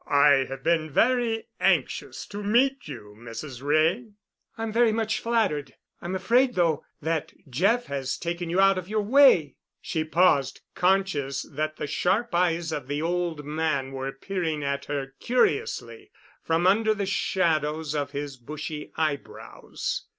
"I have been very anxious to meet you, Mrs. Wray." "I'm very much flattered. I'm afraid, though, that Jeff has taken you out of your way." She paused, conscious that the sharp eyes of the old man were peering at her curiously from under the shadows of his bushy eyebrows.